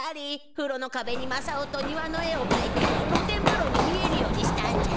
ふろのかべにまさおと庭の絵をかいてろ天ぶろに見えるようにしたんじゃ。